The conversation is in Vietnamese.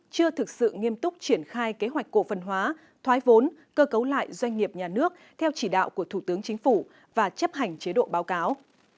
chưa thực sự nghiêm túc triển khai kế hoạch cổ phần hóa thoái vốn cơ cấu lại doanh nghiệp nhà nước theo chỉ đạo của thủ tướng chính phủ và chấp hành chế độ báo cáo